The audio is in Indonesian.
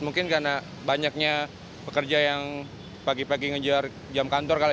mungkin karena banyaknya pekerja yang pagi pagi ngejar jam kantor kali